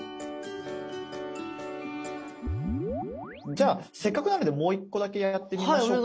じゃあせっかくなのでもう一個だけやってみましょうか。